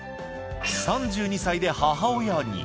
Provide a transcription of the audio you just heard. ３２歳で母親に。